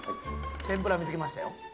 天ぷら見つけましたよ。